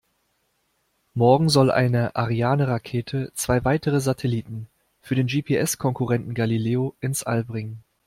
Morgen soll eine Ariane-Rakete zwei weitere Satelliten für den GPS-Konkurrenten Galileo ins All bringen.